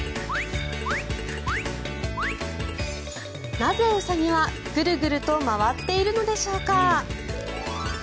なぜウサギは、ぐるぐると回っているのでしょうか。